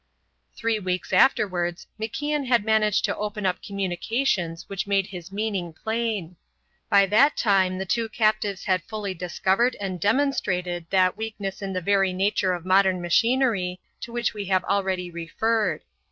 Three weeks afterwards MacIan had managed to open up communications which made his meaning plain. By that time the two captives had fully discovered and demonstrated that weakness in the very nature of modern machinery to which we have already referred.